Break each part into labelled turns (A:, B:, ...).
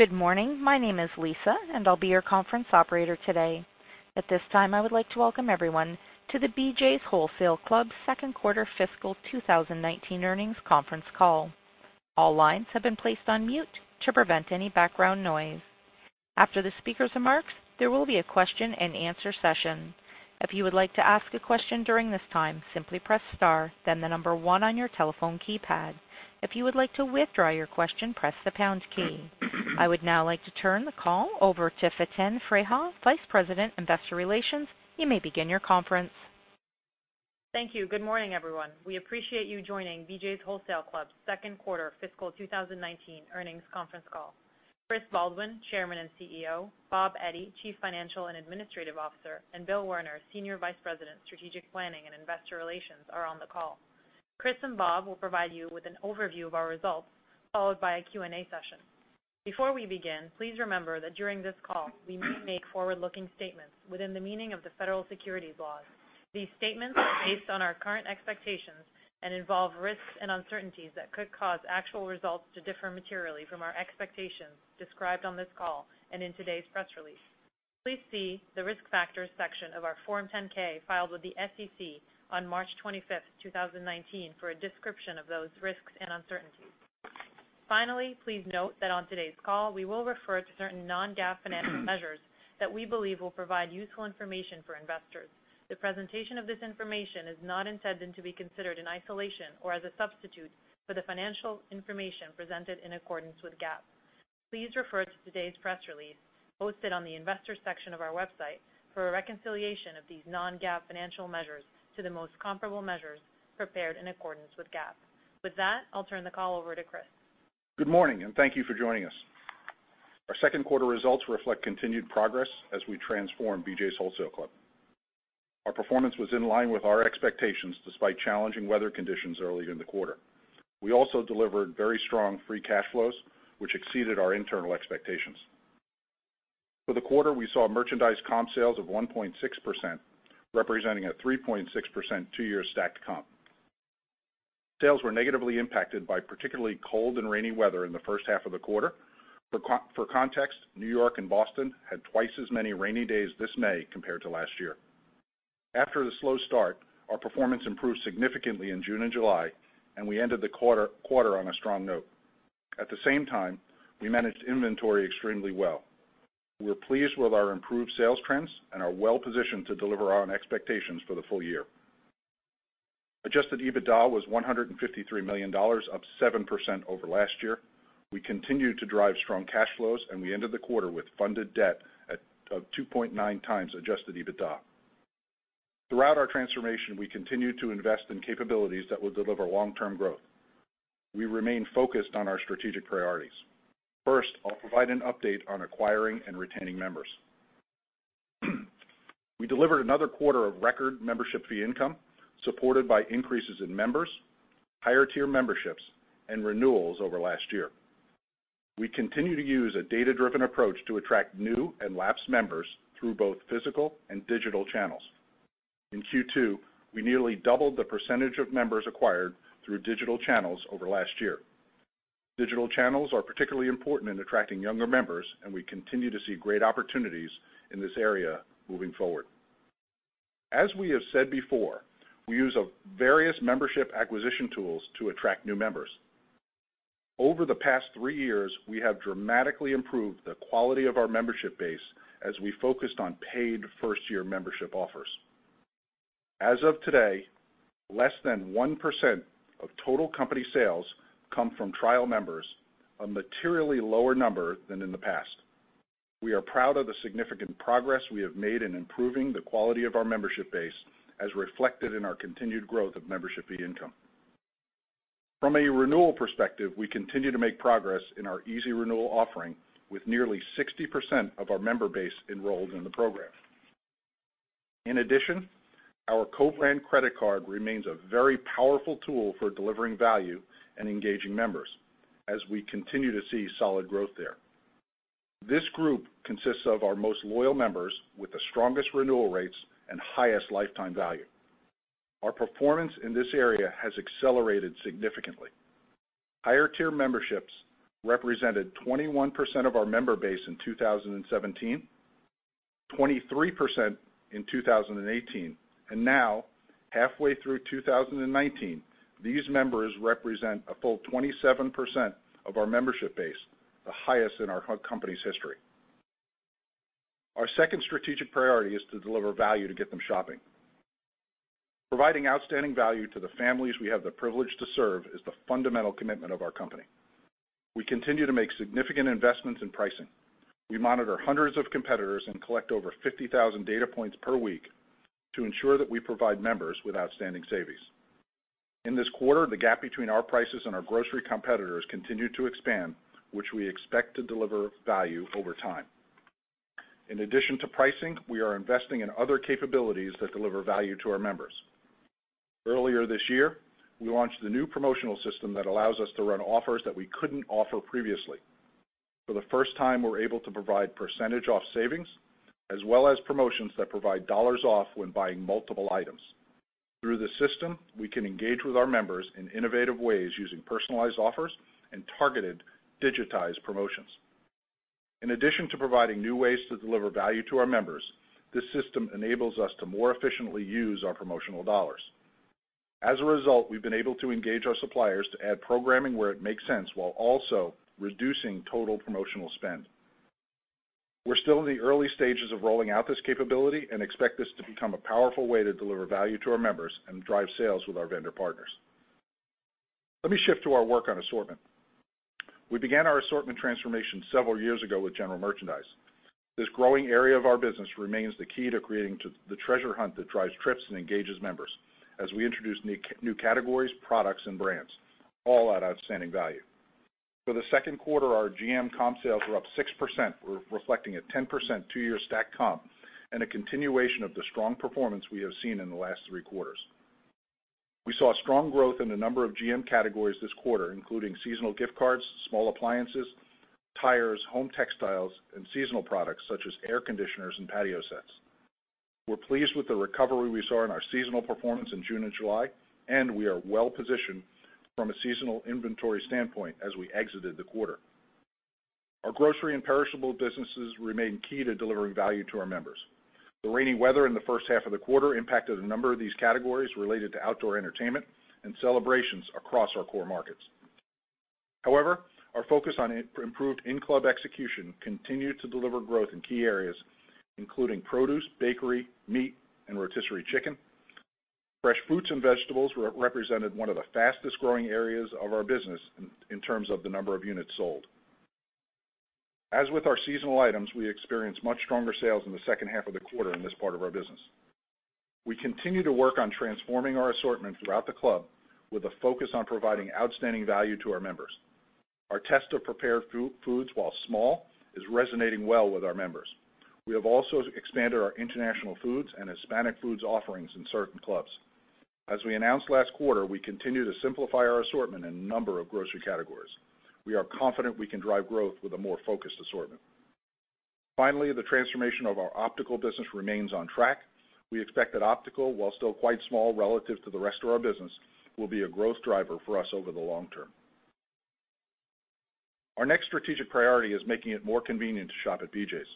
A: Good morning. My name is Lisa, and I'll be your conference operator today. At this time, I would like to welcome everyone to the BJ’s Wholesale Club second quarter fiscal 2019 earnings conference call. All lines have been placed on mute to prevent any background noise. After the speakers' remarks, there will be a question-and-answer session. If you would like to ask a question during this time, simply press star, then the number one on your telephone keypad. If you would like to withdraw your question, press the pound key. I would now like to turn the call over to Faten Freiha, Vice President, Investor Relations. You may begin your conference.
B: Thank you. Good morning, everyone. We appreciate you joining BJ's Wholesale Club second quarter fiscal 2019 earnings conference call. Chris Baldwin, Chairman and CEO, Robert Eddy, Chief Financial and Administrative Officer, and Bill Werner, Senior Vice President, Strategic Planning and Investor Relations, are on the call. Chris and Bob will provide you with an overview of our results, followed by a Q&A session. Before we begin, please remember that during this call, we may make forward-looking statements within the meaning of the federal securities laws. These statements are based on our current expectations and involve risks and uncertainties that could cause actual results to differ materially from our expectations described on this call and in today's press release. Please see the Risk Factors section of our Form 10-K filed with the SEC on March 25th, 2019, for a description of those risks and uncertainties. Finally, please note that on today's call, we will refer to certain non-GAAP financial measures that we believe will provide useful information for investors. The presentation of this information is not intended to be considered in isolation or as a substitute for the financial information presented in accordance with GAAP. Please refer to today's press release, posted on the investors section of our website, for a reconciliation of these non-GAAP financial measures to the most comparable measures prepared in accordance with GAAP. With that, I'll turn the call over to Chris.
C: Good morning, and thank you for joining us. Our second quarter results reflect continued progress as we transform BJ's Wholesale Club. Our performance was in line with our expectations, despite challenging weather conditions earlier in the quarter. We also delivered very strong free cash flows, which exceeded our internal expectations. For the quarter, we saw merchandise comp sales of 1.6%, representing a 3.6% two-year stacked comp. Sales were negatively impacted by particularly cold and rainy weather in the first half of the quarter. For context, New York and Boston had twice as many rainy days this May compared to last year. After the slow start, our performance improved significantly in June and July, and we ended the quarter on a strong note. At the same time, we managed inventory extremely well. We're pleased with our improved sales trends and are well-positioned to deliver on expectations for the full year. Adjusted EBITDA was $153 million, up 7% over last year. We continue to drive strong cash flows, we ended the quarter with funded debt of 2.9 times adjusted EBITDA. Throughout our transformation, we continue to invest in capabilities that will deliver long-term growth. We remain focused on our strategic priorities. First, I'll provide an update on acquiring and retaining members. We delivered another quarter of record membership fee income, supported by increases in members, higher-tier memberships, and renewals over last year. We continue to use a data-driven approach to attract new and lapsed members through both physical and digital channels. In Q2, we nearly doubled the percentage of members acquired through digital channels over last year. Digital channels are particularly important in attracting younger members, we continue to see great opportunities in this area moving forward. As we have said before, we use various membership acquisition tools to attract new members. Over the past three years, we have dramatically improved the quality of our membership base as we focused on paid first-year membership offers. As of today, less than 1% of total company sales come from trial members, a materially lower number than in the past. We are proud of the significant progress we have made in improving the quality of our membership base, as reflected in our continued growth of membership fee income. From a renewal perspective, we continue to make progress in our easy renewal offering, with nearly 60% of our member base enrolled in the program. In addition, our co-brand credit card remains a very powerful tool for delivering value and engaging members as we continue to see solid growth there. This group consists of our most loyal members with the strongest renewal rates and highest lifetime value. Our performance in this area has accelerated significantly. Higher-tier memberships represented 21% of our member base in 2017, 23% in 2018, and now, halfway through 2019, these members represent a full 27% of our membership base, the highest in our company's history. Our second strategic priority is to deliver value to get them shopping. Providing outstanding value to the families we have the privilege to serve is the fundamental commitment of our company. We continue to make significant investments in pricing. We monitor hundreds of competitors and collect over 50,000 data points per week to ensure that we provide members with outstanding savings. In this quarter, the gap between our prices and our grocery competitors continued to expand, which we expect to deliver value over time. In addition to pricing, we are investing in other capabilities that deliver value to our members. Earlier this year, we launched a new promotional system that allows us to run offers that we couldn't offer previously. For the first time, we're able to provide percentage off savings, as well as promotions that provide dollars off when buying multiple items. Through the system, we can engage with our members in innovative ways using personalized offers and targeted digitized promotions. In addition to providing new ways to deliver value to our members, this system enables us to more efficiently use our promotional dollars. As a result, we've been able to engage our suppliers to add programming where it makes sense while also reducing total promotional spend. We're still in the early stages of rolling out this capability and expect this to become a powerful way to deliver value to our members and drive sales with our vendor partners. Let me shift to our work on assortment. We began our assortment transformation several years ago with General Merchandise. This growing area of our business remains the key to creating the treasure hunt that drives trips and engages members as we introduce new categories, products, and brands, all at outstanding value. For the second quarter, our GM comp sales were up 6%, reflecting a 10% two-year stack comp and a continuation of the strong performance we have seen in the last three quarters. We saw strong growth in a number of GM categories this quarter, including seasonal gift cards, small appliances, tires, home textiles, and seasonal products such as air conditioners and patio sets. We're pleased with the recovery we saw in our seasonal performance in June and July, and we are well-positioned from a seasonal inventory standpoint as we exited the quarter. Our grocery and perishable businesses remain key to delivering value to our members. The rainy weather in the first half of the quarter impacted a number of these categories related to outdoor entertainment and celebrations across our core markets. However, our focus on improved in-club execution continued to deliver growth in key areas, including produce, bakery, meat, and rotisserie chicken. Fresh fruits and vegetables represented one of the fastest-growing areas of our business in terms of the number of units sold. As with our seasonal items, we experienced much stronger sales in the second half of the quarter in this part of our business. We continue to work on transforming our assortment throughout the club with a focus on providing outstanding value to our members. Our test of prepared foods, while small, is resonating well with our members. We have also expanded our international foods and Hispanic foods offerings in certain clubs. As we announced last quarter, we continue to simplify our assortment in a number of grocery categories. We are confident we can drive growth with a more focused assortment. Finally, the transformation of our optical business remains on track. We expect that optical, while still quite small relative to the rest of our business, will be a growth driver for us over the long term. Our next strategic priority is making it more convenient to shop at BJ's.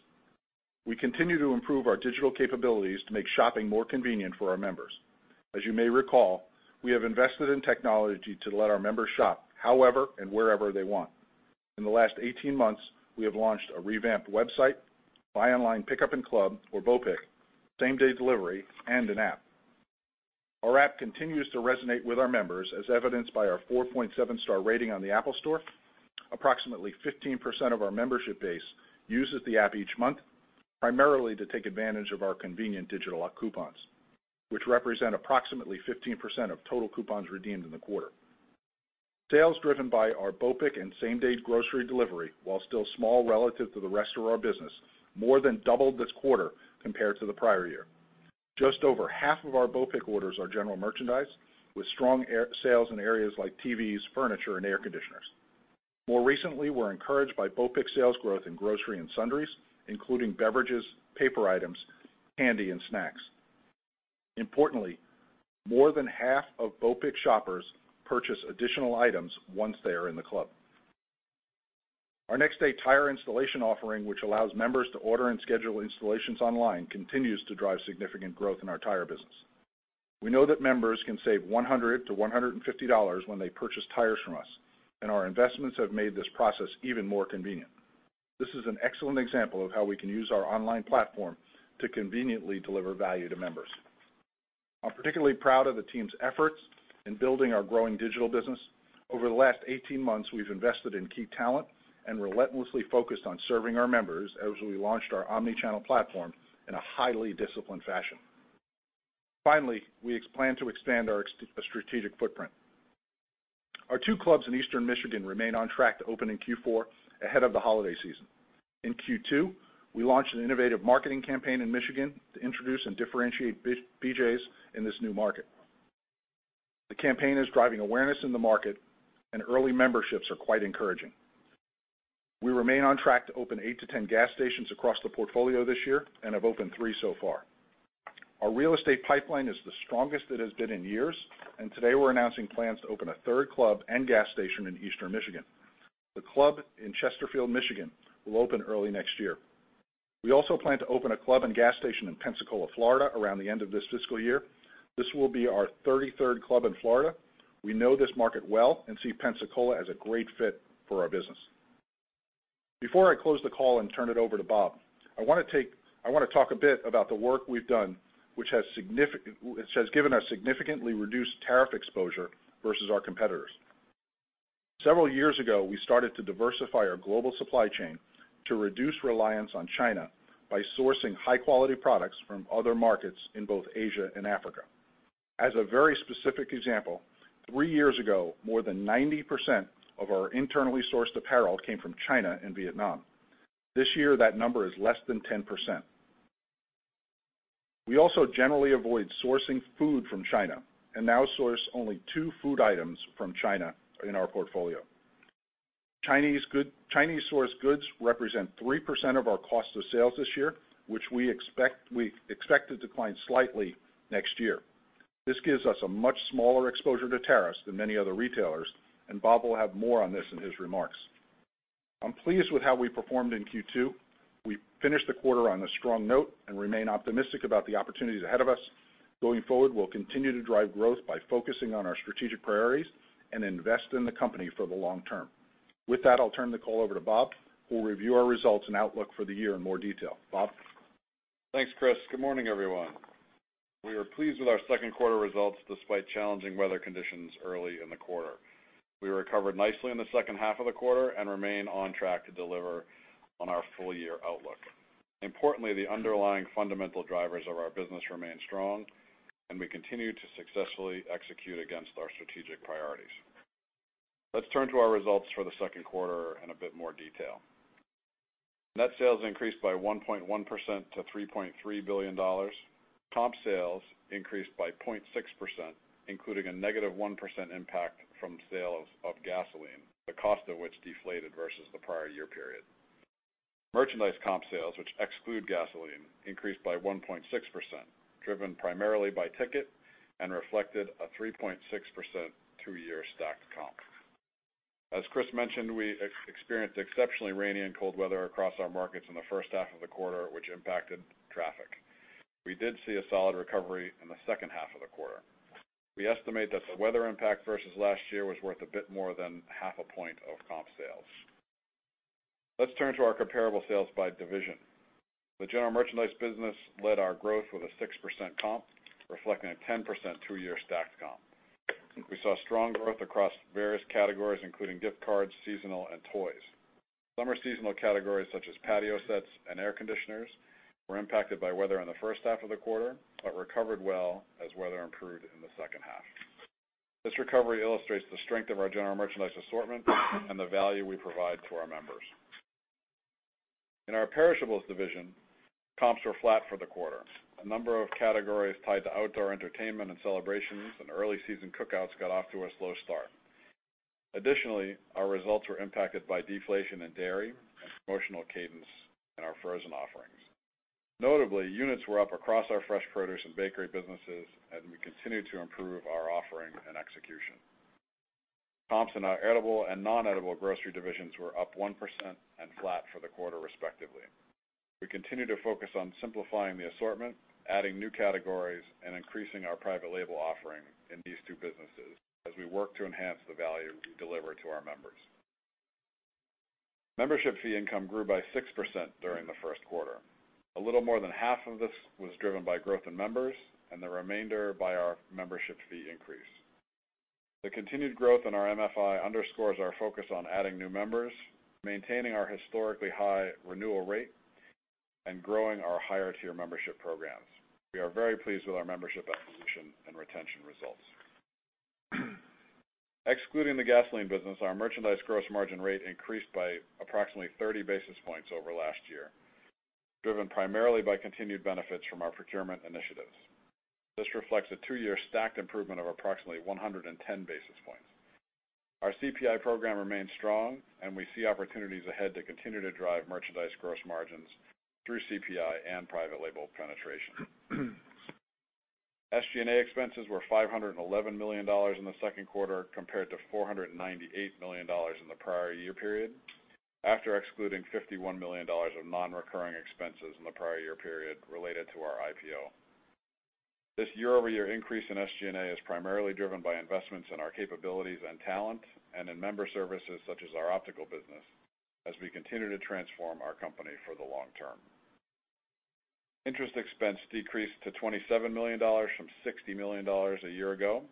C: We continue to improve our digital capabilities to make shopping more convenient for our members. As you may recall, we have invested in technology to let our members shop however and wherever they want. In the last 18 months, we have launched a revamped website, Buy Online Pick Up In Club, or BOPIC, same-day delivery, and an app. Our app continues to resonate with our members, as evidenced by our 4.7-star rating on the Apple Store. Approximately 15% of our membership base uses the app each month, primarily to take advantage of our convenient digital coupons, which represent approximately 15% of total coupons redeemed in the quarter. Sales driven by our BOPIC and same-day grocery delivery, while still small relative to the rest of our business, more than doubled this quarter compared to the prior year. Just over half of our BOPIC orders are general merchandise, with strong sales in areas like TVs, furniture, and air conditioners. More recently, we're encouraged by BOPIC sales growth in grocery and sundries, including beverages, paper items, candy, and snacks. Importantly, more than half of BOPIC shoppers purchase additional items once they are in the club. Our next-day tire installation offering, which allows members to order and schedule installations online, continues to drive significant growth in our tire business. We know that members can save $100-$150 when they purchase tires from us, and our investments have made this process even more convenient. This is an excellent example of how we can use our online platform to conveniently deliver value to members. I'm particularly proud of the team's efforts in building our growing digital business. Over the last 18 months, we've invested in key talent and relentlessly focused on serving our members as we launched our omni-channel platform in a highly disciplined fashion. Finally, we plan to expand our strategic footprint. Our two clubs in Eastern Michigan remain on track to open in Q4 ahead of the holiday season. In Q2, we launched an innovative marketing campaign in Michigan to introduce and differentiate BJ's in this new market. The campaign is driving awareness in the market, and early memberships are quite encouraging. We remain on track to open 8-10 gas stations across the portfolio this year and have opened three so far. Our real estate pipeline is the strongest it has been in years, and today we're announcing plans to open a third club and gas station in Eastern Michigan. The club in Chesterfield, Michigan, will open early next year. We also plan to open a club and gas station in Pensacola, Florida, around the end of this fiscal year. This will be our 33rd club in Florida. We know this market well and see Pensacola as a great fit for our business. Before I close the call and turn it over to Bob, I want to talk a bit about the work we've done, which has given us significantly reduced tariff exposure versus our competitors. Several years ago, we started to diversify our global supply chain to reduce reliance on China by sourcing high-quality products from other markets in both Asia and Africa. As a very specific example, three years ago, more than 90% of our internally sourced apparel came from China and Vietnam. This year, that number is less than 10%. We also generally avoid sourcing food from China and now source only two food items from China in our portfolio. Chinese sourced goods represent 3% of our cost of sales this year, which we expect to decline slightly next year. This gives us a much smaller exposure to tariffs than many other retailers. Bob will have more on this in his remarks. I'm pleased with how we performed in Q2. We finished the quarter on a strong note and remain optimistic about the opportunities ahead of us. Going forward, we'll continue to drive growth by focusing on our strategic priorities and invest in the company for the long term. With that, I'll turn the call over to Bob, who will review our results and outlook for the year in more detail. Bob?
D: Thanks, Chris. Good morning, everyone. We are pleased with our second quarter results, despite challenging weather conditions early in the quarter. We recovered nicely in the second half of the quarter and remain on track to deliver on our full-year outlook. Importantly, the underlying fundamental drivers of our business remain strong and we continue to successfully execute against our strategic priorities. Let's turn to our results for the second quarter in a bit more detail. Net sales increased by 1.1% to $3.3 billion. Comp sales increased by 0.6%, including a negative 1% impact from sales of gasoline, the cost of which deflated versus the prior year period. Merchandise comp sales, which exclude gasoline, increased by 1.6%, driven primarily by ticket, and reflected a 3.6% two-year stacked comp. As Chris mentioned, we experienced exceptionally rainy and cold weather across our markets in the first half of the quarter, which impacted traffic. We did see a solid recovery in the second half of the quarter. We estimate that the weather impact versus last year was worth a bit more than half a point of comp sales. Let's turn to our comparable sales by division. The general merchandise business led our growth with a 6% comp, reflecting a 10% two-year stacked comp. We saw strong growth across various categories, including gift cards, seasonal, and toys. Summer seasonal categories, such as patio sets and air conditioners, were impacted by weather in the first half of the quarter, but recovered well as weather improved in the second half. This recovery illustrates the strength of our general merchandise assortment and the value we provide to our members. In our perishables division, comps were flat for the quarter. A number of categories tied to outdoor entertainment and celebrations and early season cookouts got off to a slow start. Additionally, our results were impacted by deflation in dairy and promotional cadence in our frozen offerings. Notably, units were up across our fresh produce and bakery businesses and we continued to improve our offering and execution. Comps in our edible and non-edible grocery divisions were up 1% and flat for the quarter respectively. We continue to focus on simplifying the assortment, adding new categories, and increasing our private label offering in these two businesses as we work to enhance the value we deliver to our members. Membership fee income grew by 6% during the first quarter. A little more than half of this was driven by growth in members and the remainder by our membership fee increase. The continued growth in our MFI underscores our focus on adding new members, maintaining our historically high renewal rate, and growing our higher-tier membership programs. We are very pleased with our membership acquisition and retention results. Excluding the gasoline business, our merchandise gross margin rate increased by approximately 30 basis points over last year, driven primarily by continued benefits from our procurement initiatives. This reflects a two-year stacked improvement of approximately 110 basis points. Our CPI program remains strong and we see opportunities ahead to continue to drive merchandise gross margins through CPI and private label penetration. SG&A expenses were $511 million in the second quarter compared to $498 million in the prior year period, after excluding $51 million of non-recurring expenses in the prior year period related to our IPO. This year-over-year increase in SG&A is primarily driven by investments in our capabilities and talent and in member services such as our optical business, as we continue to transform our company for the long term. Interest expense decreased to $27 million from $60 million a year ago,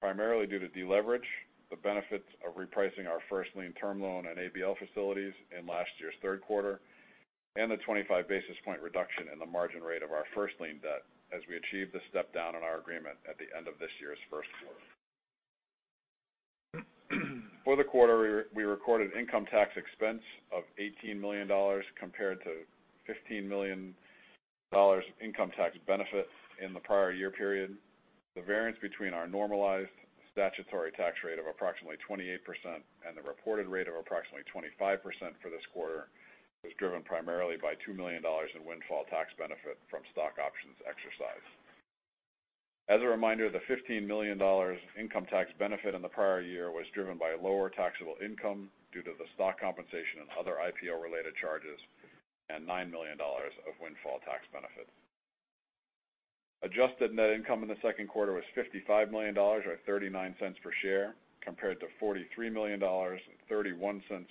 D: primarily due to deleverage, the benefits of repricing our first-lien term loan and ABL facilities in last year's third quarter, and the 25-basis-point reduction in the margin rate of our first-lien debt as we achieved the step-down on our agreement at the end of this year's first quarter. For the quarter, we recorded income tax expense of $18 million compared to $15 million income tax benefit in the prior year period. The variance between our normalized statutory tax rate of approximately 28% and the reported rate of approximately 25% for this quarter was driven primarily by $2 million in windfall tax benefit from stock options exercise. As a reminder, the $15 million income tax benefit in the prior year was driven by lower taxable income due to the stock compensation and other IPO-related charges and $9 million of windfall tax benefit. Adjusted net income in the second quarter was $55 million, or $0.39 per share, compared to $43 million, $0.31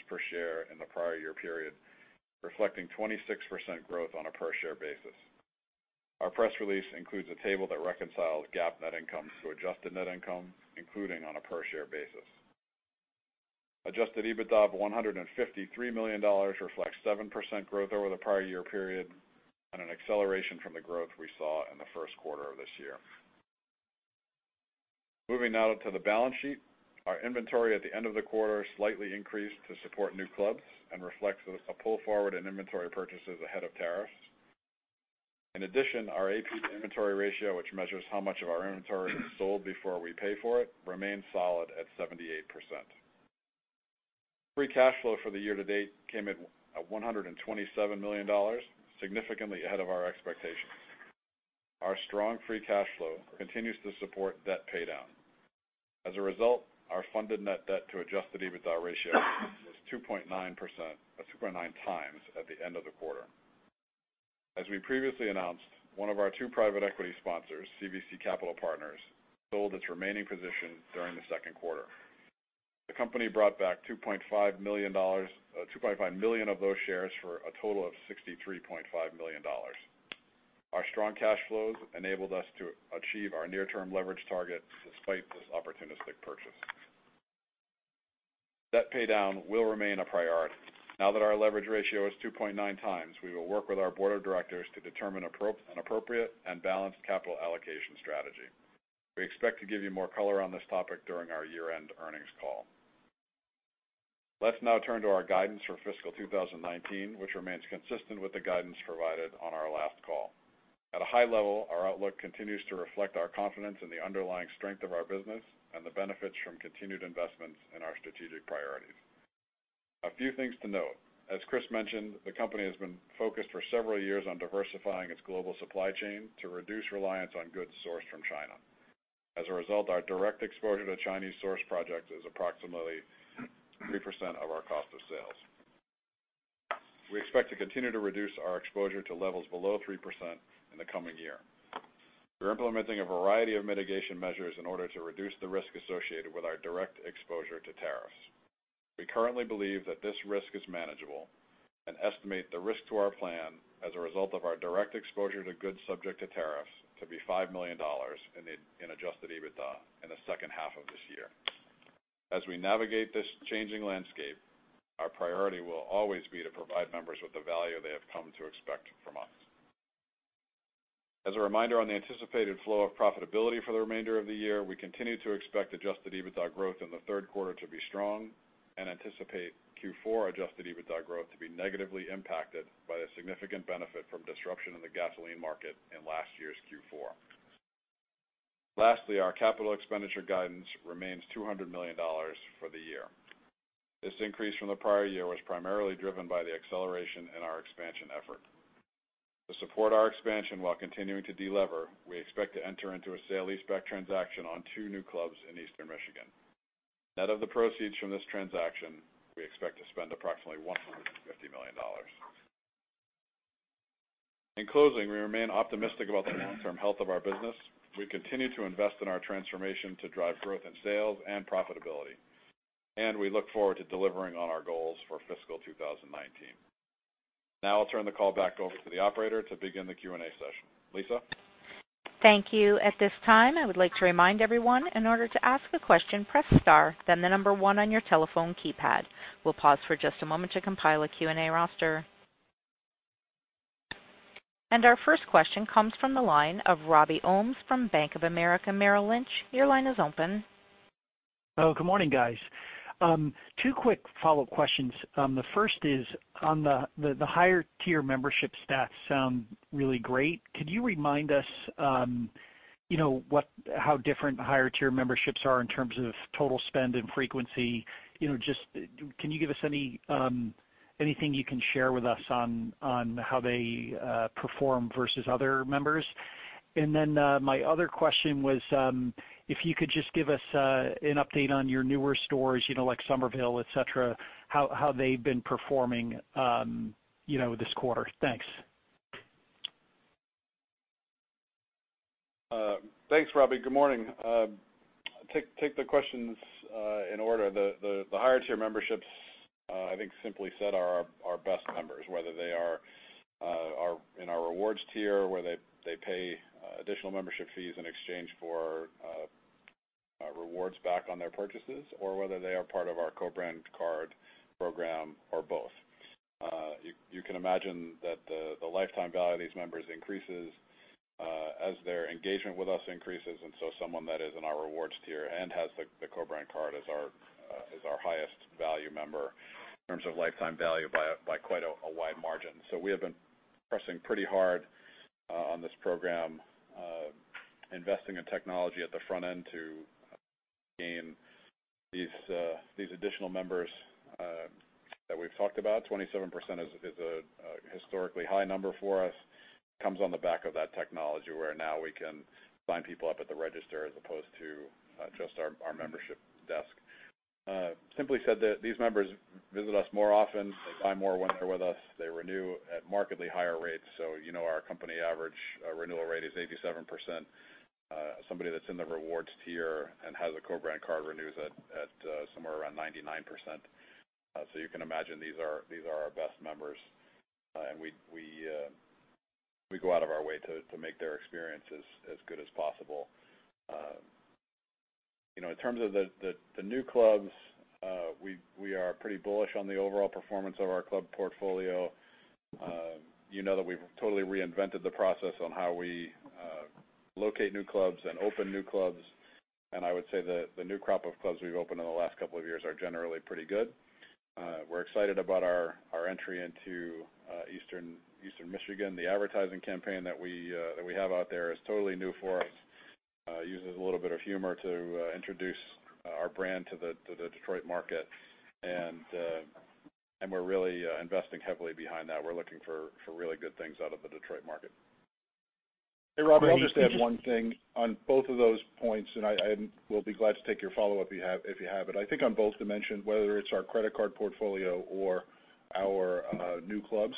D: per share in the prior year period, reflecting 26% growth on a per share basis. Our press release includes a table that reconciles GAAP net income to adjusted net income, including on a per share basis. Adjusted EBITDA of $153 million reflects 7% growth over the prior year period and an acceleration from the growth we saw in the first quarter of this year. Moving now to the balance sheet. Our inventory at the end of the quarter slightly increased to support new clubs and reflects a pull forward in inventory purchases ahead of tariffs. In addition, our AP to inventory ratio, which measures how much of our inventory is sold before we pay for it, remains solid at 78%. Free cash flow for the year to date came in at $127 million, significantly ahead of our expectations. Our strong free cash flow continues to support debt paydown. As a result, our funded net debt to adjusted EBITDA ratio was 2.9 times at the end of the quarter. As we previously announced, one of our two private equity sponsors, CVC Capital Partners, sold its remaining position during the second quarter. The company brought back $2.5 million of those shares for a total of $63.5 million. Our strong cash flows enabled us to achieve our near-term leverage targets despite this opportunistic purchase. Debt paydown will remain a priority. Now that our leverage ratio is 2.9 times, we will work with our board of directors to determine an appropriate and balanced capital allocation strategy. We expect to give you more color on this topic during our year-end earnings call. Let's now turn to our guidance for fiscal 2019, which remains consistent with the guidance provided on our last call. At a high level, our outlook continues to reflect our confidence in the underlying strength of our business and the benefits from continued investments in our strategic priorities. A few things to note. As Chris mentioned, the company has been focused for several years on diversifying its global supply chain to reduce reliance on goods sourced from China. As a result, our direct exposure to Chinese source projects is approximately 3% of our cost of sales. We expect to continue to reduce our exposure to levels below 3% in the coming year. We're implementing a variety of mitigation measures in order to reduce the risk associated with our direct exposure to tariffs. We currently believe that this risk is manageable and estimate the risk to our plan as a result of our direct exposure to goods subject to tariffs to be $5 million in adjusted EBITDA in the second half of this year. As we navigate this changing landscape, our priority will always be to provide members with the value they have come to expect from us. As a reminder on the anticipated flow of profitability for the remainder of the year, we continue to expect adjusted EBITDA growth in the third quarter to be strong and anticipate Q4 adjusted EBITDA growth to be negatively impacted by the significant benefit from disruption in the gasoline market in last year's Q4. Lastly, our capital expenditure guidance remains $200 million for the year. This increase from the prior year was primarily driven by the acceleration in our expansion effort. To support our expansion while continuing to de-lever, we expect to enter into a sale leaseback transaction on two new clubs in Eastern Michigan. Net of the proceeds from this transaction, we expect to spend approximately $150 million. In closing, we remain optimistic about the long-term health of our business. We continue to invest in our transformation to drive growth in sales and profitability. We look forward to delivering on our goals for fiscal 2019. Now I'll turn the call back over to the operator to begin the Q&A session. Lisa?
A: Thank you. At this time, I would like to remind everyone, in order to ask a question, press star, then the number one on your telephone keypad. We'll pause for just a moment to compile a Q&A roster. Our first question comes from the line of Robert Ohmes from Bank of America Merrill Lynch. Your line is open.
E: Good morning, guys. Two quick follow-up questions. The first is on the higher tier membership stats sound really great. Could you remind us how different higher tier memberships are in terms of total spend and frequency? Can you give us anything you can share with us on how they perform versus other members? My other question was if you could just give us an update on your newer stores, like Somerville, et cetera, how they've been performing this quarter. Thanks.
D: Thanks, Robbie. Good morning. Take the questions in order. The higher tier memberships, I think simply said, are our best members, whether they are in our rewards tier, where they pay additional membership fees in exchange for rewards back on their purchases, or whether they are part of our co-brand card program or both. You can imagine that the lifetime value of these members increases as their engagement with us increases, someone that is in our rewards tier and has the co-brand card is our highest value member in terms of lifetime value by quite a wide margin. We have been pressing pretty hard on this program, investing in technology at the front end to gain these additional members that we've talked about. 27% is a historically high number for us. Comes on the back of that technology, where now we can sign people up at the register as opposed to just our membership desk. Simply said, these members visit us more often. They buy more when they're with us. They renew at markedly higher rates. You know our company average renewal rate is 87%. Somebody that's in the rewards tier and has a co-brand card renews at somewhere around 99%. You can imagine these are our best members, and we go out of our way to make their experience as good as possible. In terms of the new clubs, we are pretty bullish on the overall performance of our club portfolio. You know that we've totally reinvented the process on how we locate new clubs and open new clubs. I would say that the new crop of clubs we've opened in the last couple of years are generally pretty good. We're excited about our entry into Eastern Michigan. The advertising campaign that we have out there is totally new for us. It uses a little bit of humor to introduce our brand to the Detroit market. We're really investing heavily behind that. We're looking for really good things out of the Detroit market.
C: Hey, Robbie, I'll just add one thing on both of those points, and I will be glad to take your follow-up if you have it. I think on both dimensions, whether it's our credit card portfolio or our new clubs,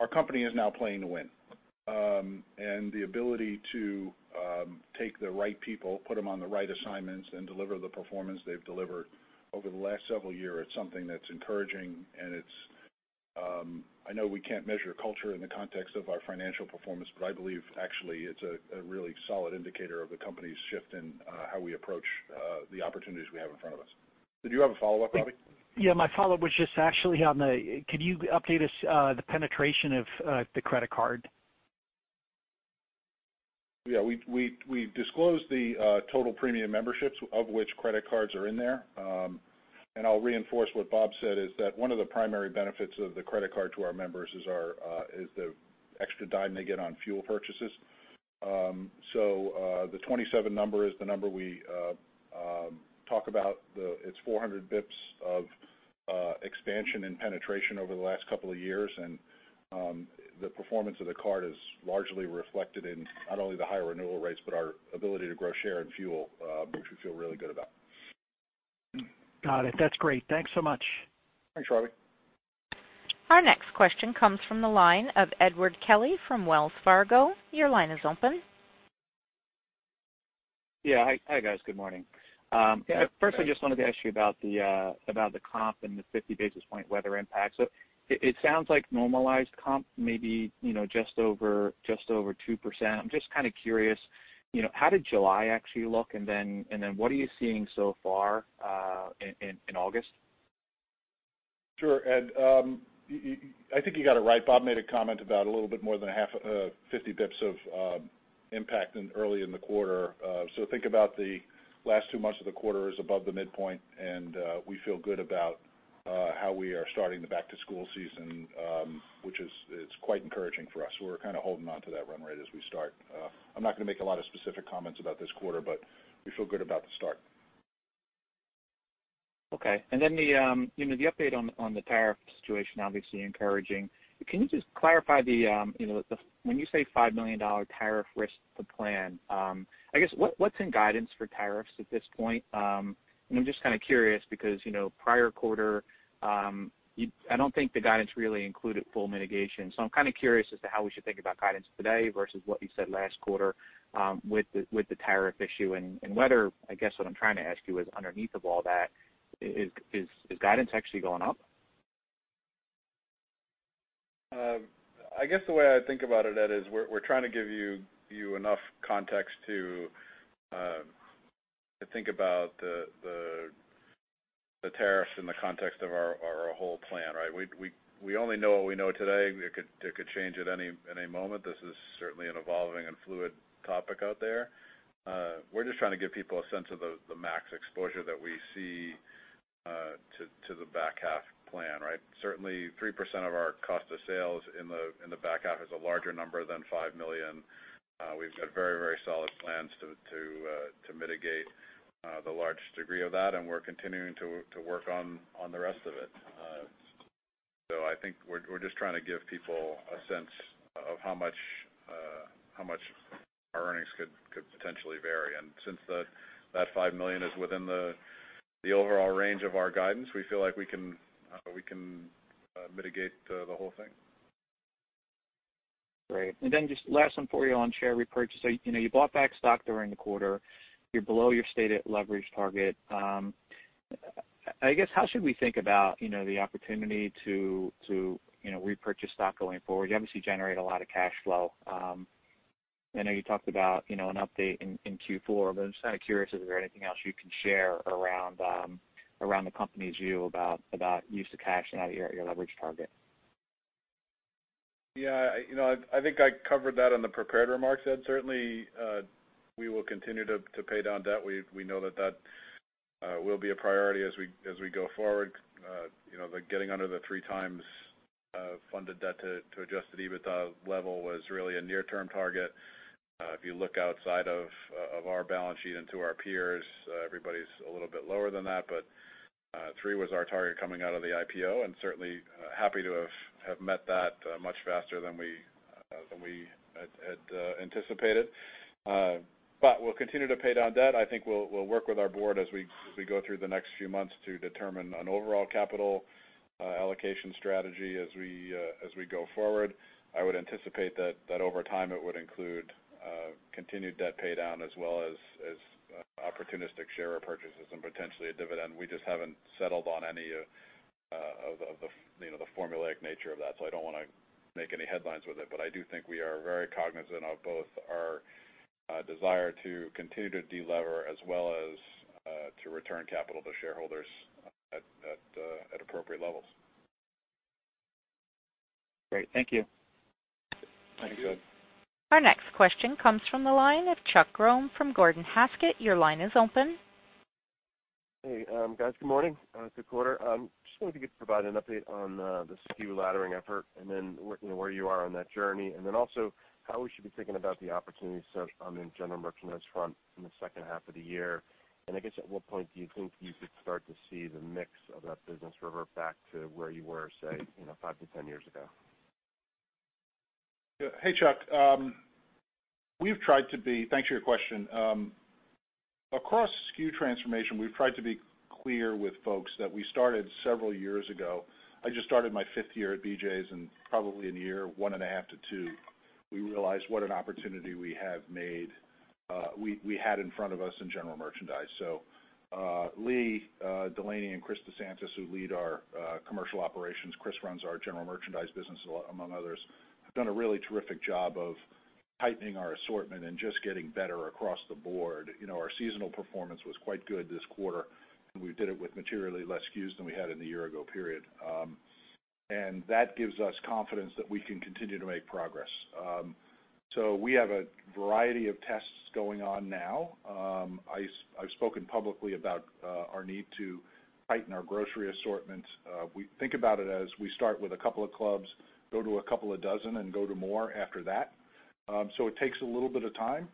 C: our company is now playing to win. The ability to take the right people, put them on the right assignments, and deliver the performance they've delivered over the last several years, it's something that's encouraging. I know we can't measure culture in the context of our financial performance, but I believe actually it's a really solid indicator of the company's shift in how we approach the opportunities we have in front of us. Did you have a follow-up, Robbie?
E: Yeah, my follow-up was just actually on the, can you update us the penetration of the credit card?
C: Yeah, we've disclosed the total premium memberships of which credit cards are in there. I'll reinforce what Bob said is that one of the primary benefits of the credit card to our members is the extra $0.10 they get on fuel purchases. The 27 number is the number we talk about. It's 400 basis points of expansion and penetration over the last couple of years, and the performance of the card is largely reflected in not only the higher renewal rates, but our ability to grow share and fuel, which we feel really good about.
E: Got it. That's great. Thanks so much.
C: Thanks, Robbie.
A: Our next question comes from the line of Edward Kelly from Wells Fargo. Your line is open.
F: Yeah. Hi, guys. Good morning.
C: Yeah, Ed.
F: Firstly, I just wanted to ask you about the comp and the 50 basis point weather impact. It sounds like normalized comp may be just over 2%. I'm just curious, how did July actually look, what are you seeing so far in August?
C: Sure, Ed. I think you got it right. Bob made a comment about a little bit more than 50 basis points of impact early in the quarter. Think about the last two months of the quarter as above the midpoint, and we feel good about how we are starting the back-to-school season, which is quite encouraging for us. We're kind of holding onto that run rate as we start. I'm not going to make a lot of specific comments about this quarter, but we feel good about the start.
F: Okay. The update on the tariff situation, obviously encouraging. Can you just clarify when you say $5 million tariff risk to plan, I guess, what's in guidance for tariffs at this point? I'm just kind of curious because prior quarter, I don't think the guidance really included full mitigation. I'm kind of curious as to how we should think about guidance today versus what you said last quarter with the tariff issue and whether, I guess what I'm trying to ask you is underneath of all that, is guidance actually going up?
D: I guess the way I think about it, Ed, is we're trying to give you enough context to think about the tariffs in the context of our whole plan, right? We only know what we know today. It could change at any moment. This is certainly an evolving and fluid topic out there. We're just trying to give people a sense of the max exposure that we see to the back half plan, right? Certainly 3% of our cost of sales in the back half is a larger number than $5 million. We've got very solid plans to mitigate the large degree of that. We're continuing to work on the rest of it. I think we're just trying to give people a sense of how much our earnings could potentially vary. Since that $5 million is within the overall range of our guidance, we feel like we can mitigate the whole thing.
F: Great. Just last one for you on share repurchase. You bought back stock during the quarter. You're below your stated leverage target. I guess, how should we think about the opportunity to repurchase stock going forward? You obviously generate a lot of cash flow. I know you talked about an update in Q4, but I'm just kind of curious, is there anything else you can share around the company's view about use of cash and your leverage target?
D: Yeah. I think I covered that in the prepared remarks, Ed. Certainly, we will continue to pay down debt. We know that will be a priority as we go forward. Getting under the three times funded debt to adjusted EBITDA level was really a near-term target. If you look outside of our balance sheet and to our peers, everybody's a little bit lower than that, but three was our target coming out of the IPO, and certainly happy to have met that much faster than we had anticipated. We'll continue to pay down debt. I think we'll work with our board as we go through the next few months to determine an overall capital allocation strategy as we go forward. I would anticipate that over time, it would include continued debt paydown as well as opportunistic share repurchases and potentially a dividend. We just haven't settled on any of the formulaic nature of that, so I don't want to make any headlines with it. I do think we are very cognizant of both our desire to continue to de-lever as well as to return capital to shareholders at appropriate levels.
F: Great. Thank you.
C: Thank you.
A: Our next question comes from the line of Chuck Grom from Gordon Haskett. Your line is open.
G: Hey, guys. Good morning. Good quarter. Just wondering if you could provide an update on the SKU laddering effort and then where you are on that journey. Then also how we should be thinking about the opportunity set on the general merchandise front in the second half of the year. I guess, at what point do you think you could start to see the mix of that business revert back to where you were, say, five to 10 years ago?
C: Hey, Chuck. Thanks for your question. Across SKU transformation, we've tried to be clear with folks that we started several years ago. Probably in year one and a half to two, we realized what an opportunity we had in front of us in general merchandise. Lee Delaney and Chris DeSantis, who lead our commercial operations, Chris runs our general merchandise business, among others, have done a really terrific job of tightening our assortment and just getting better across the board. Our seasonal performance was quite good this quarter, we did it with materially less SKUs than we had in the year-ago period. That gives us confidence that we can continue to make progress. We have a variety of tests going on now. I've spoken publicly about our need to tighten our grocery assortment. We think about it as we start with a couple of clubs, go to a couple of dozen, and go to more after that. It takes a little bit of time,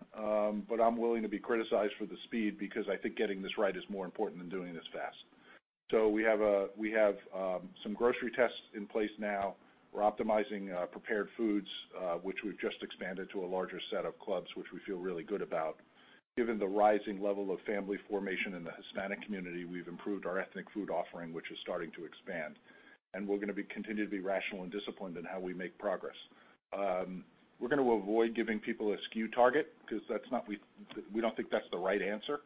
C: but I'm willing to be criticized for the speed because I think getting this right is more important than doing this fast. We have some grocery tests in place now. We're optimizing prepared foods, which we've just expanded to a larger set of clubs, which we feel really good about. Given the rising level of family formation in the Hispanic community, we've improved our ethnic food offering, which is starting to expand. We're going to continue to be rational and disciplined in how we make progress. We're going to avoid giving people a SKU target because we don't think that's the right answer.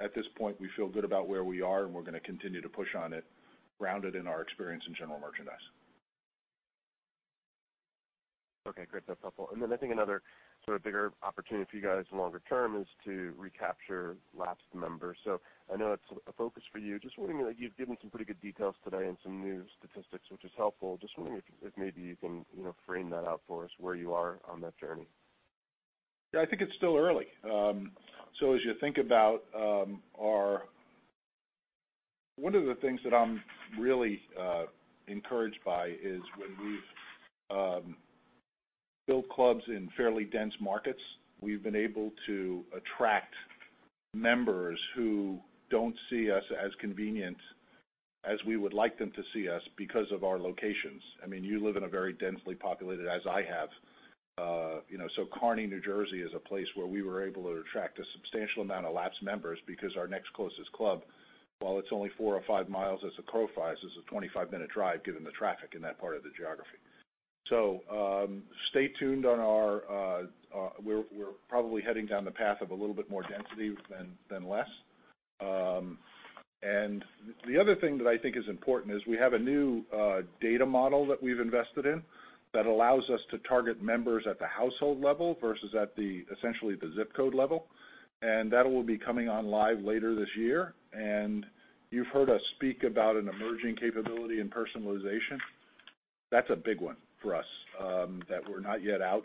C: At this point, we feel good about where we are, and we're going to continue to push on it, grounded in our experience in general merchandise.
G: Okay, great. That's helpful. I think another sort of bigger opportunity for you guys longer term is to recapture lapsed members. I know that's a focus for you. You've given some pretty good details today and some new statistics, which is helpful. Just wondering if maybe you can frame that out for us, where you are on that journey.
C: Yeah, I think it's still early. One of the things that I'm really encouraged by is when we've built clubs in fairly dense markets, we've been able to attract members who don't see us as convenient as we would like them to see us because of our locations. You live in a very densely populated, as I have. Kearny, New Jersey, is a place where we were able to attract a substantial amount of lapsed members because our next closest club, while it's only four or five miles as the crow flies, is a 25-minute drive given the traffic in that part of the geography. Stay tuned. We're probably heading down the path of a little bit more density than less. The other thing that I think is important is we have a new data model that we've invested in that allows us to target members at the household level versus at essentially the ZIP code level, and that will be coming on live later this year. You've heard us speak about an emerging capability in personalization. That's a big one for us that we're not yet out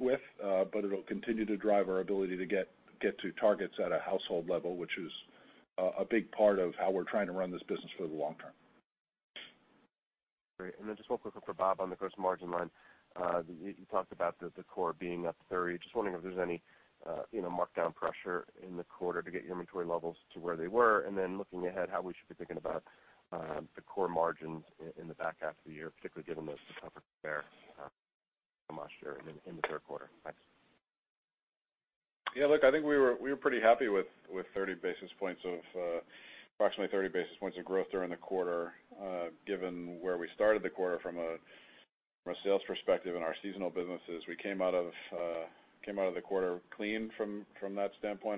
C: with, but it'll continue to drive our ability to get to targets at a household level, which is a big part of how we're trying to run this business for the long term.
G: Great. Just one quick one for Bob on the gross margin line. You talked about the core being up 30%. Just wondering if there's any markdown pressure in the quarter to get your inventory levels to where they were, then looking ahead, how we should be thinking about the core margins in the back half of the year, particularly given the compare from last year and in the third quarter. Thanks.
D: Yeah, look, I think we were pretty happy with approximately 30 basis points of growth during the quarter, given where we started the quarter from a sales perspective and our seasonal businesses.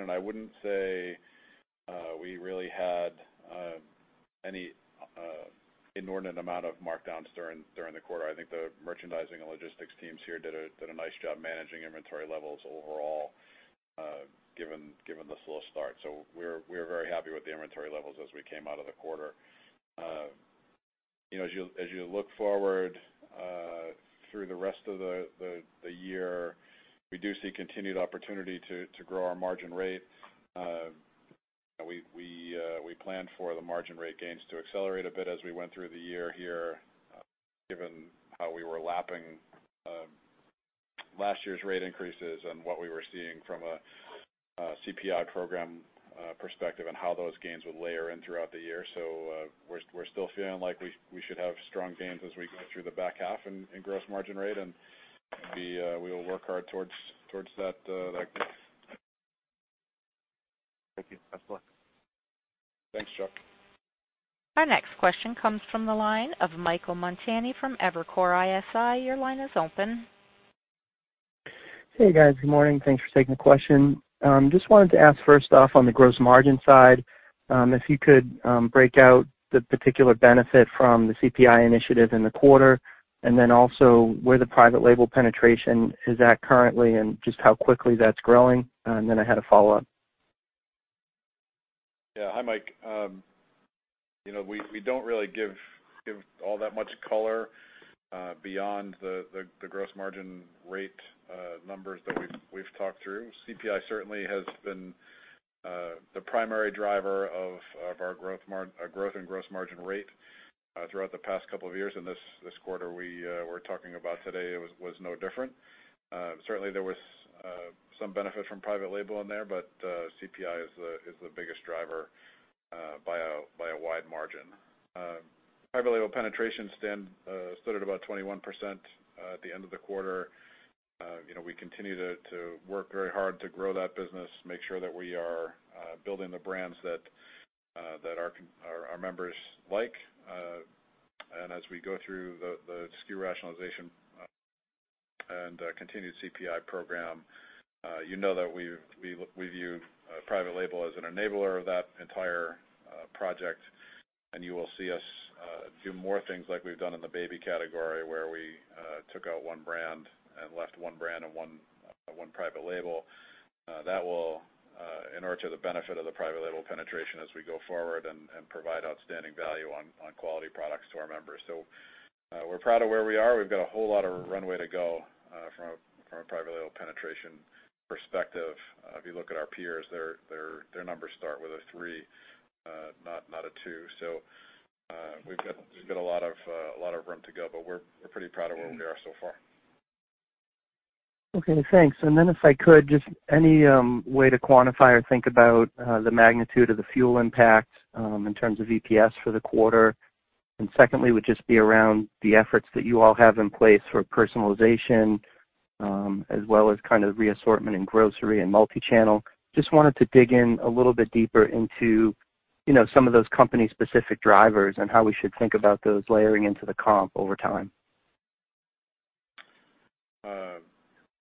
D: I wouldn't say we really had any inordinate amount of markdowns during the quarter. I think the merchandising and logistics teams here did a nice job managing inventory levels overall, given the slow start. We're very happy with the inventory levels as we came out of the quarter. As you look forward through the rest of the year, we do see continued opportunity to grow our margin rate. We planned for the margin rate gains to accelerate a bit as we went through the year here, given how we were lapping last year's rate increases and what we were seeing from a CPI program perspective and how those gains would layer in throughout the year. We're still feeling like we should have strong gains as we go through the back half in gross margin rate, and we will work hard towards that.
G: Thank you. Best of luck.
D: Thanks, Chuck.
A: Our next question comes from the line of Michael Montani from Evercore ISI. Your line is open.
H: Hey, guys. Good morning. Thanks for taking the question. Just wanted to ask first off on the gross margin side, if you could break out the particular benefit from the CPI initiative in the quarter, and then also where the private label penetration is at currently and just how quickly that's growing, and then I had a follow-up.
D: Yeah. Hi, Mike. We don't really give all that much color beyond the gross margin rate numbers that we've talked through. CPI certainly has been the primary driver of our growth and gross margin rate throughout the past couple of years. This quarter we're talking about today was no different. Certainly, there was some benefit from private label in there. CPI is the biggest driver by a wide margin. Private label penetration stood at about 21% at the end of the quarter. We continue to work very hard to grow that business, make sure that we are building the brands that our members like. As we go through the SKU rationalization and continued CPI program, you know that we view private label as an enabler of that entire project, and you will see us do more things like we've done in the baby category, where we took out one brand and left one brand and one private label. That will enrich the benefit of the private label penetration as we go forward and provide outstanding value on quality products to our members. We're proud of where we are. We've got a whole lot of runway to go from a private label penetration perspective. If you look at our peers, their numbers start with a three, not a two. We've got a lot of room to go, but we're pretty proud of where we are so far.
H: Okay, thanks. If I could, just any way to quantify or think about the magnitude of the fuel impact in terms of EPS for the quarter. Secondly, would just be around the efforts that you all have in place for personalization, as well as kind of re-assortment in grocery and multi-channel. Just wanted to dig in a little bit deeper into some of those company-specific drivers and how we should think about those layering into the comp over time.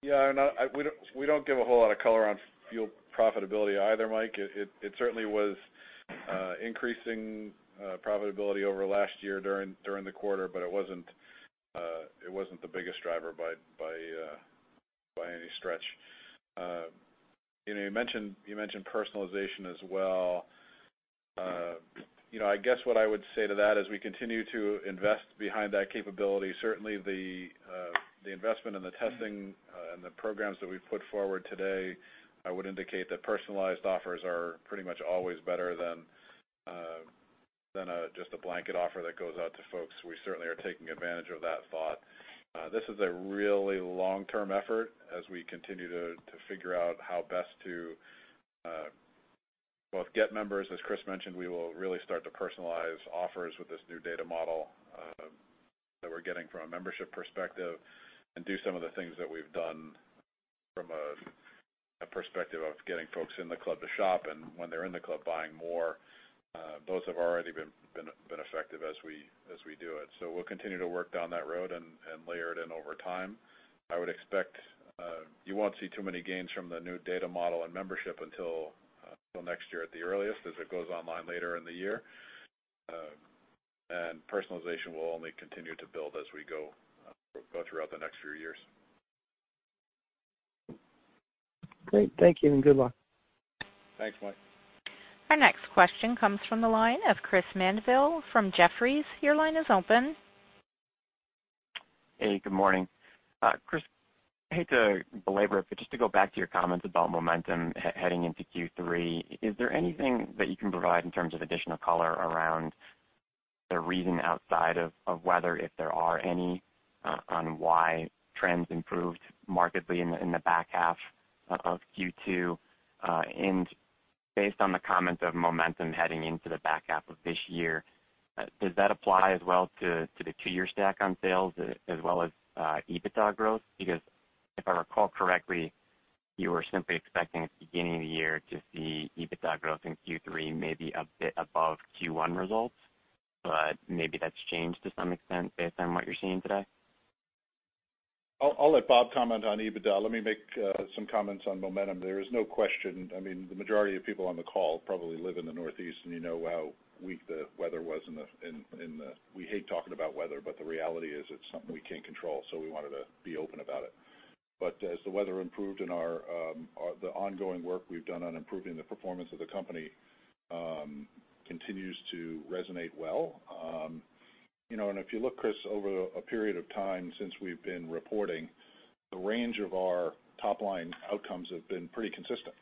H: Yeah, we don't give a whole lot of color on fuel profitability either, Mike. It certainly was increasing profitability over last year during the quarter, but it wasn't the biggest driver by any stretch. You mentioned personalization as well. I guess what I would say to that is we continue to invest behind that capability.
D: Certainly, the investment in the testing and the programs that we've put forward today, I would indicate that personalized offers are pretty much always better than just a blanket offer that goes out to folks. We certainly are taking advantage of that thought. This is a really long-term effort as we continue to figure out how best to both get members, as Chris mentioned, we will really start to personalize offers with this new data model that we're getting from a membership perspective and do some of the things that we've done from a perspective of getting folks in the club to shop and when they're in the club buying more. Both have already been effective as we do it. We'll continue to work down that road and layer it in over time. I would expect you won't see too many gains from the new data model and membership until next year at the earliest, as it goes online later in the year. Personalization will only continue to build as we go throughout the next few years.
H: Great. Thank you, and good luck. Thanks, Mike.
A: Our next question comes from the line of Chris Mandeville from Jefferies. Your line is open.
I: Hey, good morning. Chris, I hate to belabor it, but just to go back to your comments about momentum heading into Q3, is there anything that you can provide in terms of additional color around the reason outside of weather, if there are any, on why trends improved markedly in the back half of Q2? Based on the comments of momentum heading into the back half of this year, does that apply as well to the two-year stack on sales as well as EBITDA growth? If I recall correctly, you were simply expecting at the beginning of the year to see EBITDA growth in Q3 maybe a bit above Q1 results. Maybe that's changed to some extent based on what you're seeing today.
D: I'll let Bob comment on EBITDA. Let me make some comments on momentum. There is no question, the majority of people on the call probably live in the Northeast, and you know how weak the weather was. We hate talking about weather, the reality is it's something we can't control, we wanted to be open about it. As the weather improved the ongoing work we've done on improving the performance of the company continues to resonate well. If you look, Chris, over a period of time since we've been reporting, the range of our top-line outcomes have been pretty consistent.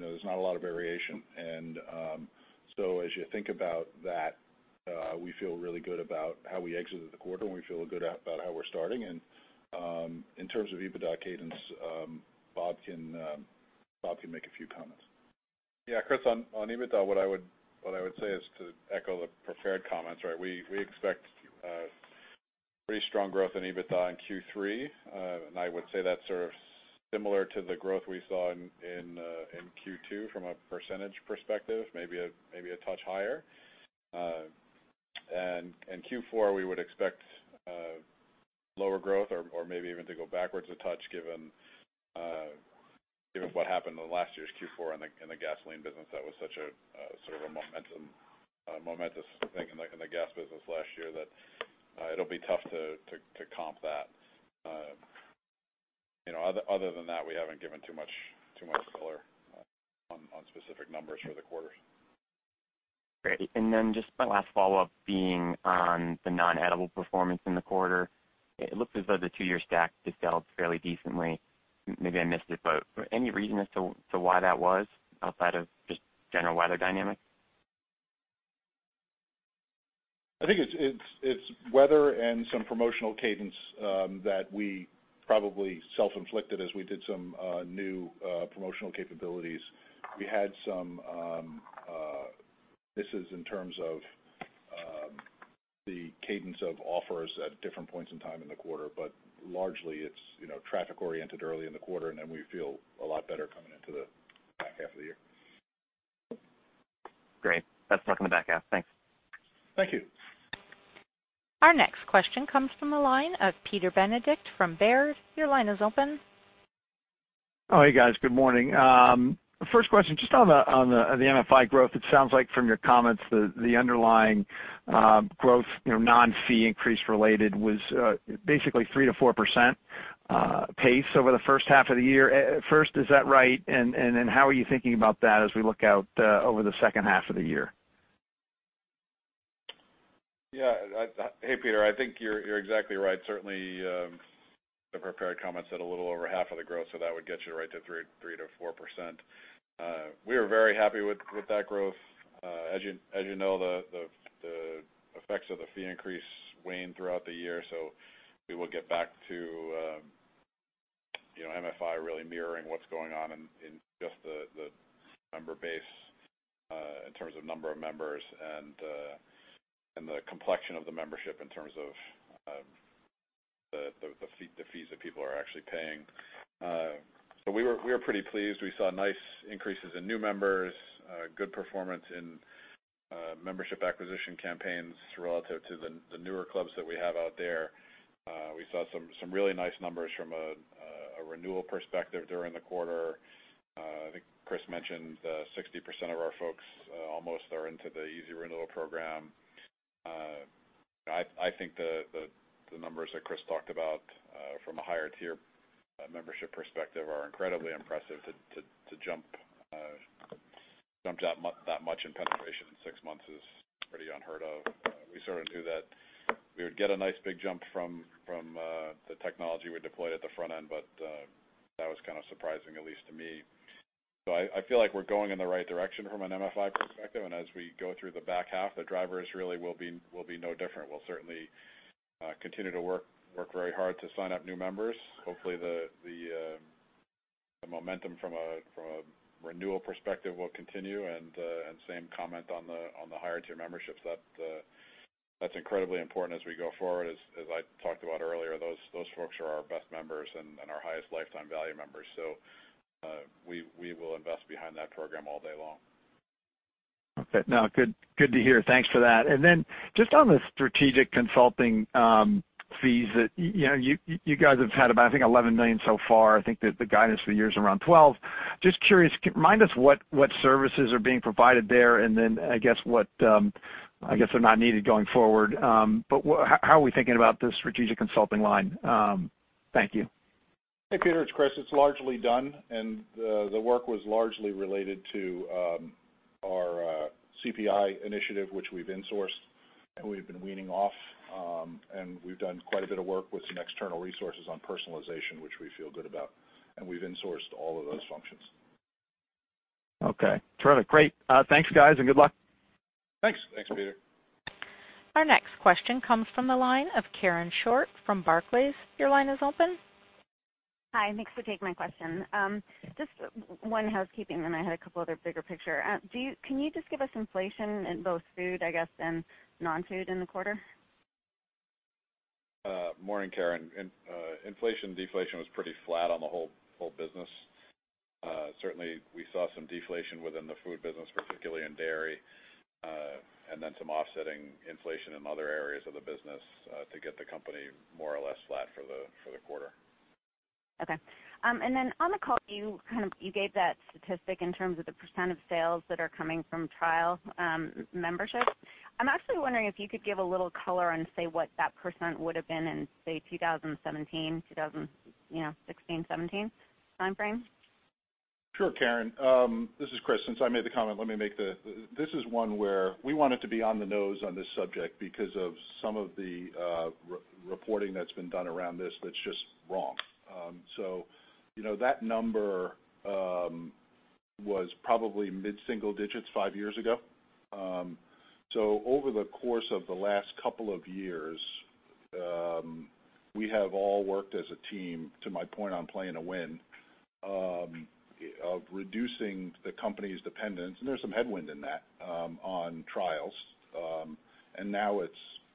D: There's not a lot of variation. As you think about that, we feel really good about how we exited the quarter, and we feel good about how we're starting. In terms of EBITDA cadence, Bob can make a few comments. Yeah, Chris, on EBITDA, what I would say is to echo the prepared comments. We expect pretty strong growth in EBITDA in Q3. I would say that's sort of similar to the growth we saw in Q2 from a % perspective, maybe a touch higher. Q4, we would expect lower growth or maybe even to go backwards a touch given what happened in last year's Q4 in the gasoline business. That was such a momentous thing in the gas business last year that it'll be tough to comp that. Other than that, we haven't given too much color on specific numbers for the quarter.
I: Great. Just my last follow-up being on the non-edible performance in the quarter. It looked as though the two-year stack just held fairly decently. Maybe I missed it, but any reason as to why that was outside of just general weather dynamics?
D: I think it's weather and some promotional cadence that we probably self-inflicted as we did some new promotional capabilities. We had some misses in terms of the cadence of offers at different points in time in the quarter. Largely it's traffic-oriented early in the quarter, and then we feel a lot better coming into the back half of the year.
I: Great. That's something to back out. Thanks.
D: Thank you.
A: Our next question comes from the line of Peter Benedict from Baird. Your line is open.
J: Hey guys. Good morning. First question, just on the MFI growth, it sounds like from your comments, the underlying growth, non-fee increase related, was basically 3%-4% pace over the first half of the year. First, is that right? How are you thinking about that as we look out over the second half of the year?
D: Yeah. Hey, Peter. I think you're exactly right. Certainly, the prepared comment said a little over half of the growth, so that would get you right to 3%-4%. We are very happy with that growth. As you know, the effects of the fee increase wane throughout the year, so we will get back to MFI really mirroring what's going on in just the member base, in terms of number of members and the complexion of the membership in terms of the fees that people are actually paying. We are pretty pleased. We saw nice increases in new members, good performance in membership acquisition campaigns relative to the newer clubs that we have out there. We saw some really nice numbers from a renewal perspective during the quarter. I think Chris mentioned 60% of our folks almost are into the Easy Renewal Program. I think the numbers that Chris talked about from a higher tier membership perspective are incredibly impressive. To jump that much in penetration in 6 months is pretty unheard of. We sort of knew that we would get a nice big jump from the technology we deployed at the front end, that was kind of surprising, at least to me. I feel like we're going in the right direction from an MFI perspective. As we go through the back half, the drivers really will be no different. We'll certainly continue to work very hard to sign up new members. Hopefully, the momentum from a renewal perspective will continue, same comment on the higher tier memberships. That's incredibly important as we go forward. As I talked about earlier, those folks are our best members and our highest lifetime value members. We will invest behind that program all day long.
J: Okay. No, good to hear. Thanks for that. Just on the strategic consulting fees that you guys have had about, I think, $11 million so far. I think that the guidance for the year is around $12 million. Just curious, remind us what services are being provided there, and then, I guess they're not needed going forward. How are we thinking about the strategic consulting line? Thank you.
C: Hey, Peter, it's Chris. It's largely done. The work was largely related to our CPI Initiative, which we've insourced and we've been weaning off. We've done quite a bit of work with some external resources on personalization, which we feel good about. We've insourced all of those functions.
J: Okay, terrific. Great. Thanks, guys, and good luck.
C: Thanks. Thanks, Peter.
A: Our next question comes from the line of Karen Short from Barclays. Your line is open.
K: Hi, thanks for taking my question. Just one housekeeping. I had a couple other bigger picture. Can you just give us inflation in both food, I guess, and non-food in the quarter?
D: Morning, Karen. Inflation, deflation was pretty flat on the whole business. Certainly, we saw some deflation within the food business, particularly in dairy, and then some offsetting inflation in other areas of the business to get the company more or less flat for the quarter.
K: Okay. Then on the call, you gave that statistic in terms of the % of sales that are coming from trial memberships. I'm actually wondering if you could give a little color on, say, what that % would've been in, say, 2016, 2017 timeframe.
C: Sure, Karen. This is Chris. I made the comment. This is one where we wanted to be on the nose on this subject because of some of the reporting that's been done around this that's just wrong. That number was probably mid-single digits five years ago. Over the course of the last couple of years, we have all worked as a team, to my point on play to win, of reducing the company's dependence, and there's some headwind in that, on trials. Now it's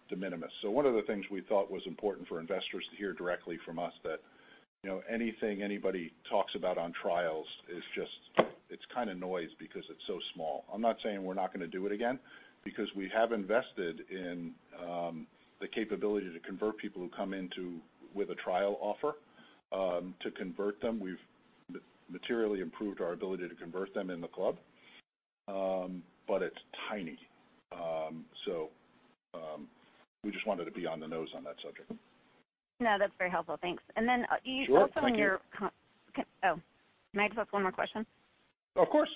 C: de minimis. One of the things we thought was important for investors to hear directly from us that anything anybody talks about on trials it's kind of noise because it's so small. I'm not saying we're not going to do it again because we have invested in the capability to convert people who come in with a trial offer.
D: To convert them, we've materially improved our ability to convert them in the club.
C: It's tiny. We just wanted to be on the nose on that subject.
K: No, that's very helpful. Thanks. Also, may I just ask one more question?
C: Of course.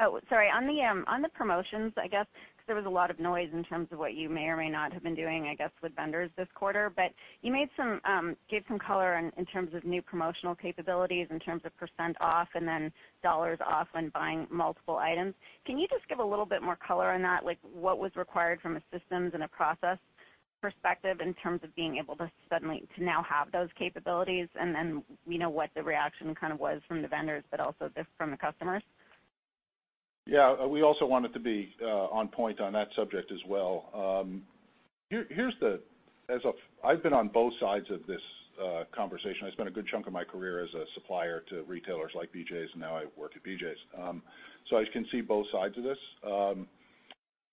K: Oh, sorry. On the promotions, I guess, because there was a lot of noise in terms of what you may or may not have been doing, I guess, with vendors this quarter. You gave some color in terms of new promotional capabilities, in terms of percent off and then dollars off when buying multiple items. Can you just give a little bit more color on that, like what was required from a systems and a process perspective in terms of being able to suddenly to now have those capabilities and then what the reaction was from the vendors, but also from the customers?
C: Yeah. We also wanted to be on point on that subject as well. I've been on both sides of this conversation. I spent a good chunk of my career as a supplier to retailers like BJ's, and now I work at BJ's. I can see both sides of this.